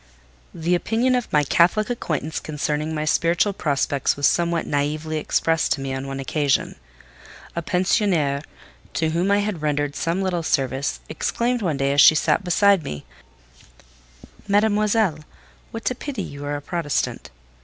The opinion of my Catholic acquaintance concerning my spiritual prospects was somewhat naïvely expressed to me on one occasion. A pensionnaire, to whom I had rendered some little service, exclaimed one day as she sat beside me: "Mademoiselle, what a pity you are a Protestant!"